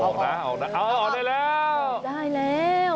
เอาออกได้แล้ว